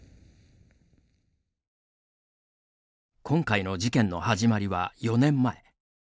今回の事件の始まりは４年前。